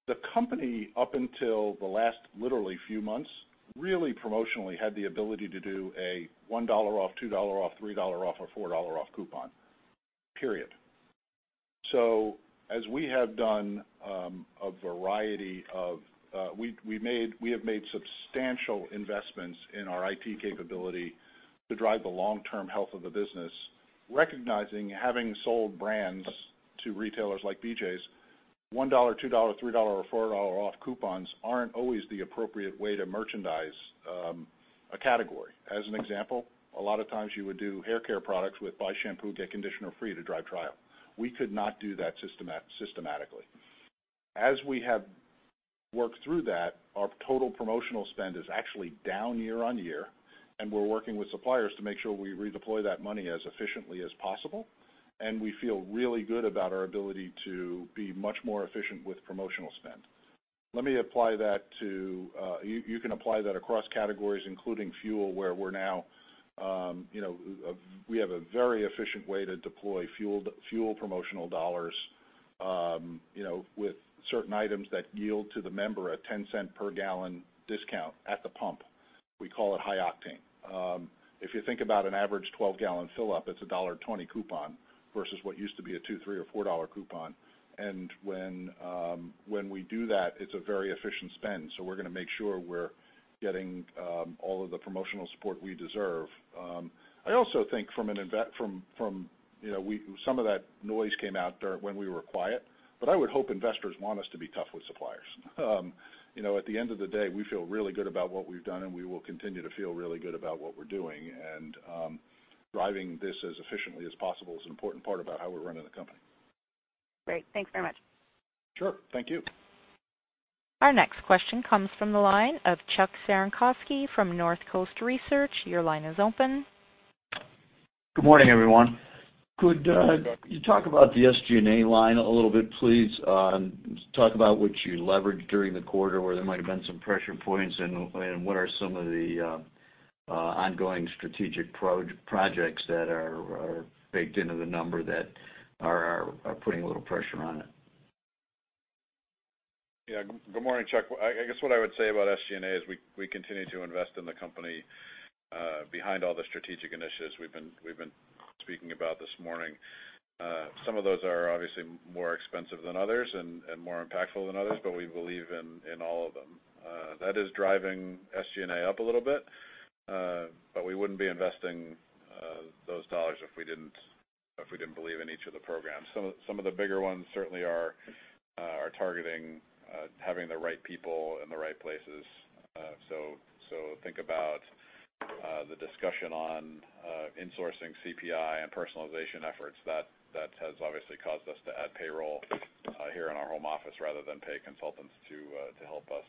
C: The company, up until the last literally few months, really promotionally had the ability to do a $1 off, $2 off, $3 off, or $4 off coupon, period. We have made substantial investments in our IT capability to drive the long-term health of the business, recognizing, having sold brands to retailers like BJ's, $1, $2, $3, or $4 off coupons aren't always the appropriate way to merchandise a category. As an example, a lot of times you would do haircare products with buy shampoo, get conditioner free to drive trial. We could not do that systematically. As we have worked through that, our total promotional spend is actually down year-over-year, and we're working with suppliers to make sure we redeploy that money as efficiently as possible. We feel really good about our ability to be much more efficient with promotional spend. You can apply that across categories, including fuel, where we have a very efficient way to deploy fuel promotional dollars with certain items that yield to the member a $0.10 per gallon discount at the pump. We call it High-Octane. If you think about an average 12-gallon fill up, it's a $1.20 coupon versus what used to be a $2, $3, or $4 coupon. When we do that, it's a very efficient spend. We're going to make sure we're getting all of the promotional support we deserve. I also think some of that noise came out when we were quiet, but I would hope investors want us to be tough with suppliers. At the end of the day, we feel really good about what we've done, and we will continue to feel really good about what we're doing. Driving this as efficiently as possible is an important part about how we're running the company.
K: Great. Thanks very much.
C: Sure. Thank you.
A: Our next question comes from the line of Chuck Cerankosky from Northcoast Research. Your line is open.
L: Good morning, everyone. Could you talk about the SG&A line a little bit, please, and talk about what you leveraged during the quarter, where there might have been some pressure points and what are some of the ongoing strategic projects that are baked into the number that are putting a little pressure on it?
D: Yeah. Good morning, Chuck. I guess what I would say about SG&A is we continue to invest in the company behind all the strategic initiatives we've been speaking about this morning. Some of those are obviously more expensive than others and more impactful than others, but we believe in all of them. That is driving SG&A up a little bit. We wouldn't be investing those dollars if we didn't believe in each of the programs. Some of the bigger ones certainly are targeting having the right people in the right places. Think about the discussion on insourcing CPI and personalization efforts. That has obviously caused us to add payroll here in our home office rather than pay consultants to help us.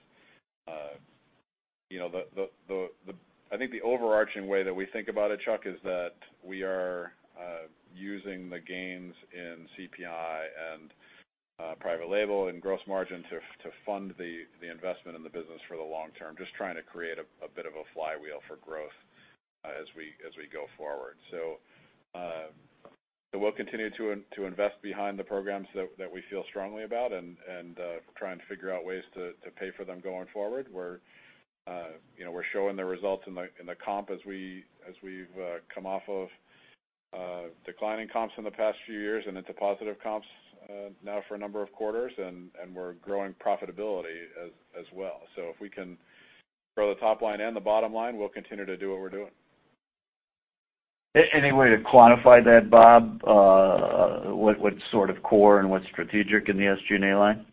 D: I think the overarching way that we think about it, Chuck, is that we are using the gains in CPI and private label and gross margin to fund the investment in the business for the long term, just trying to create a bit of a flywheel for growth as we go forward. We'll continue to invest behind the programs that we feel strongly about and try and figure out ways to pay for them going forward, where we're showing the results in the comp as we've come off of declining comps in the past few years and into positive comps now for a number of quarters, and we're growing profitability as well. If we can grow the top line and the bottom line, we'll continue to do what we're doing.
L: Any way to quantify that, Bob, what's sort of core and what's strategic in the SG&A line?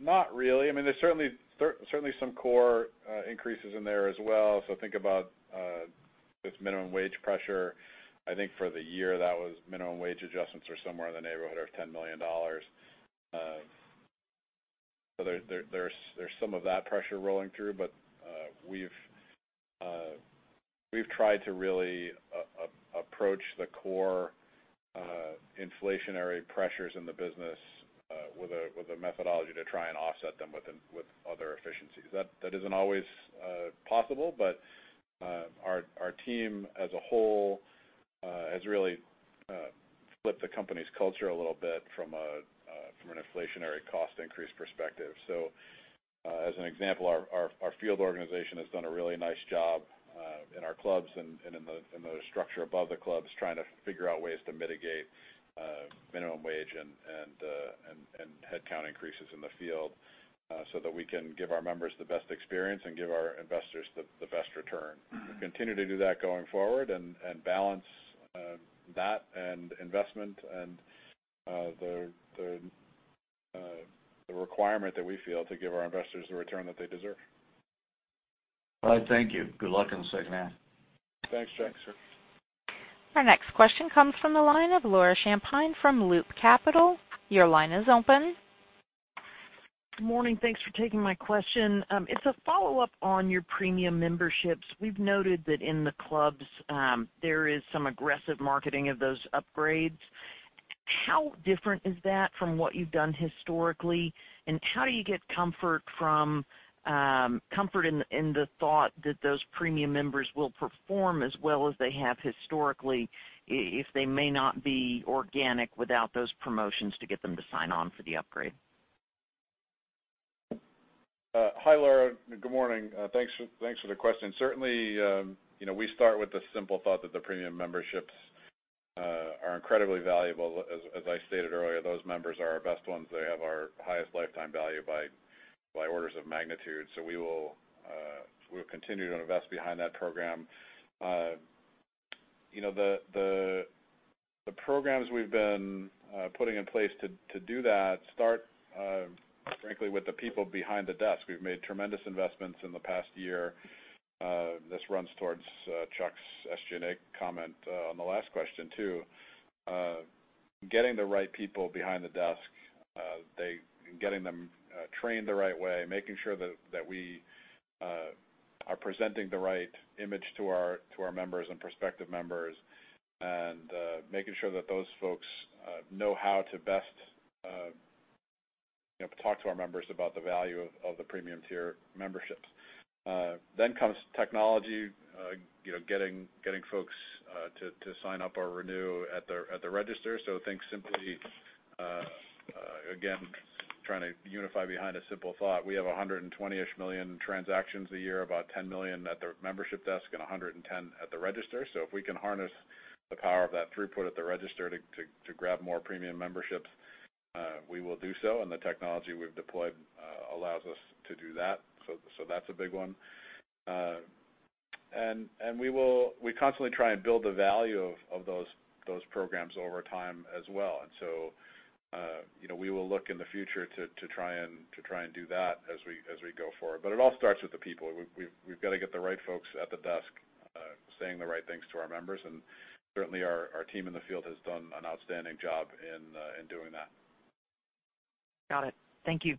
D: Not really. There's certainly some core increases in there as well. Think about this minimum wage pressure. I think for the year, minimum wage adjustments are somewhere in the neighborhood of $10 million. There's some of that pressure rolling through, but we've tried to really approach the core inflationary pressures in the business with a methodology to try and offset them with other efficiencies. That isn't always possible, but our team as a whole has really flipped the company's culture a little bit from an inflationary cost increase perspective. As an example, our field organization has done a really nice job in our clubs and in the structure above the clubs, trying to figure out ways to mitigate minimum wage and headcount increases in the field, so that we can give our members the best experience and give our investors the best return. We'll continue to do that going forward and balance that and investment and the requirement that we feel to give our investors the return that they deserve.
L: All right, thank you. Good luck in the second half.
D: Thanks, Chuck.
A: Our next question comes from the line of Laura Champine from Loop Capital. Your line is open.
M: Good morning. Thanks for taking my question. It's a follow-up on your premium memberships. We've noted that in the clubs, there is some aggressive marketing of those upgrades. How different is that from what you've done historically, and how do you get comfort in the thought that those premium members will perform as well as they have historically, if they may not be organic without those promotions to get them to sign on for the upgrade?
D: Hi, Laura. Good morning. Thanks for the question. Certainly, we start with the simple thought that the premium memberships are incredibly valuable. As I stated earlier, those members are our best ones. They have our highest lifetime value by orders of magnitude. We'll continue to invest behind that program. The programs we've been putting in place to do that start, frankly, with the people behind the desk. We've made tremendous investments in the past year. This runs towards Chuck's SG&A comment on the last question, too. Getting the right people behind the desk, getting them trained the right way, making sure that we are presenting the right image to our members and prospective members and making sure that those folks know how to best talk to our members about the value of the premium tier memberships. Comes technology, getting folks to sign up or renew at the register. Think simply, again, trying to unify behind a simple thought. We have 120-ish million transactions a year, about 10 million at the membership desk and 110 at the register. If we can harness the power of that throughput at the register to grab more premium memberships, we will do so, and the technology we've deployed allows us to do that. That's a big one. We constantly try and build the value of those programs over time as well. We will look in the future to try and do that as we go forward. It all starts with the people. We've got to get the right folks at the desk saying the right things to our members, and certainly our team in the field has done an outstanding job in doing that.
M: Got it. Thank you.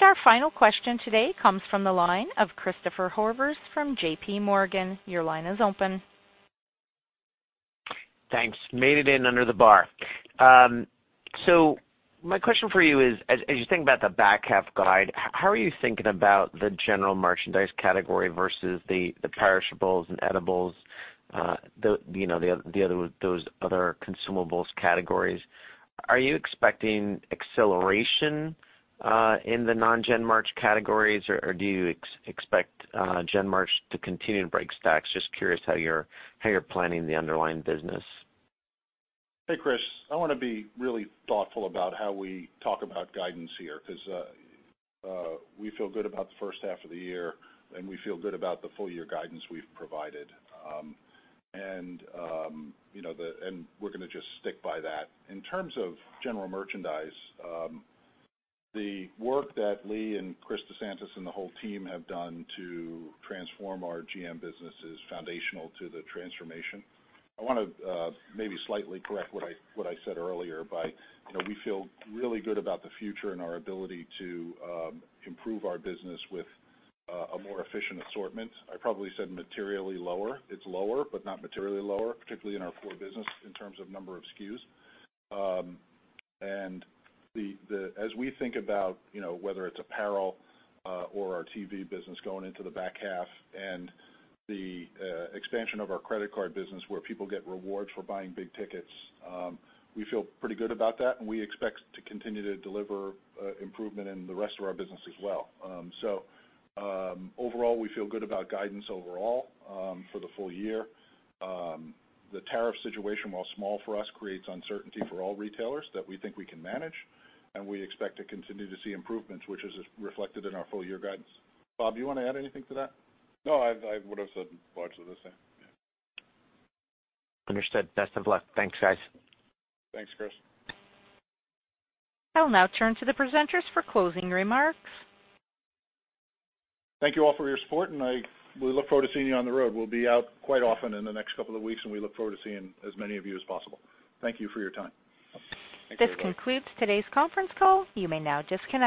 A: Our final question today comes from the line of Christopher Horvers from JPMorgan. Your line is open.
N: Thanks. Made it in under the bar. My question for you is, as you think about the back half guide, how are you thinking about the General Merchandise category versus the perishables and edibles, those other consumables categories? Are you expecting acceleration in the non-Gen Merch categories, or do you expect Gen Merch to continue to break stacks? Just curious how you're planning the underlying business.
D: Hey, Chris. I want to be really thoughtful about how we talk about guidance here, because we feel good about the first half of the year, and we feel good about the full year guidance we've provided. We're going to just stick by that. In terms of general merchandise, the work that Lee and Chris DeSantis and the whole team have done to transform our GM business is foundational to the transformation. I want to maybe slightly correct what I said earlier by, we feel really good about the future and our ability to improve our business with a more efficient assortment. I probably said materially lower. It's lower, but not materially lower, particularly in our core business in terms of number of SKUs.
C: As we think about whether it's apparel or our TV business going into the back half and the expansion of our credit card business, where people get rewards for buying big tickets, we feel pretty good about that, and we expect to continue to deliver improvement in the rest of our business as well. Overall, we feel good about guidance overall for the full year. The tariff situation, while small for us, creates uncertainty for all retailers that we think we can manage, and we expect to continue to see improvements, which is reflected in our full year guidance. Bob, do you want to add anything to that? No, I would've said largely the same.
N: Understood. Best of luck. Thanks, guys.
D: Thanks, Chris.
A: I will now turn to the presenters for closing remarks.
D: Thank you all for your support, and we look forward to seeing you on the road. We'll be out quite often in the next couple of weeks, and we look forward to seeing as many of you as possible. Thank you for your time. Thanks, everybody.
A: This concludes today's conference call. You may now disconnect.